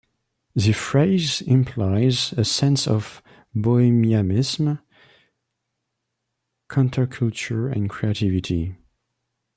The phrase implies a sense of bohemianism, counterculture and creativity.